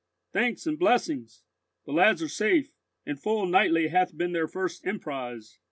Thanks and blessings! the lads are safe, and full knightly hath been their first emprise.